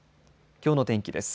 きょうの天気です。